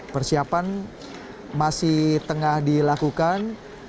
persiapan masih tengah dilakukan